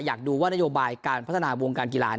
อยากดูว่านโยบายการพัฒนาวงการกีฬา